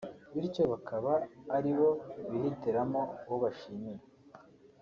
bityo bakaba aribo bihitiramo uwo bashimira